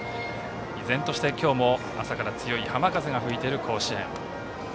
依然として、今日も朝から強い浜風が吹いている甲子園。